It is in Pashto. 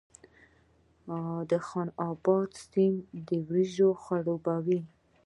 خان اباد سیند وریجې خړوبوي؟